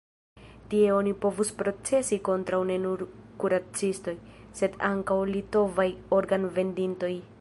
Tie oni povus procesi kontraŭ ne nur kuracistoj, sed ankaŭ litovaj organ-vendintoj.